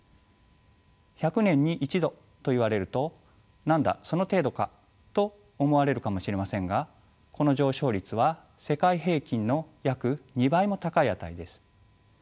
１００年に１℃といわれると何だその程度かと思われるかもしれませんがこの上昇率は世界平均の約２倍も高い値です。